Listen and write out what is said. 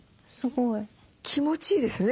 気持ちいいですね。